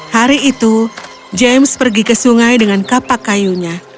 hari itu james pergi ke sungai dengan kapak kayunya